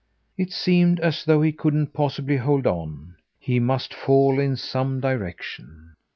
It seemed as though he couldn't possibly hold on; he must fall in some direction.